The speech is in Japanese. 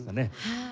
はい。